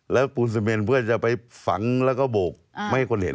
แล้วปูนซีเมนเพื่อจะไปฝังแล้วก็โบกไม่ให้คนเห็น